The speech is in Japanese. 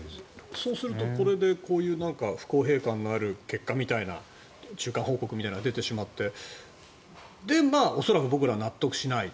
そうすると、これで不公平感がある結果みたいな中間報告みたいなのが出てしまって恐らく僕ら納得しない。